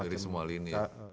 dari semua lini